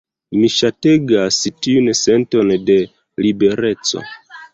Mi ŝategas tiun senton de libereco.